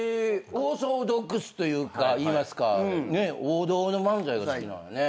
オーソドックスといいますか王道の漫才が好きなのね。